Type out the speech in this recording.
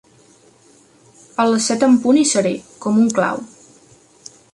A les set en punt hi seré, com un clau.